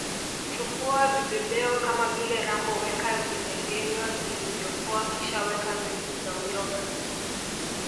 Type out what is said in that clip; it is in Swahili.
Chukua vibebeo kama vile rambo weka vimengenywa vilivyopoa kisha weka mbegu za uyoga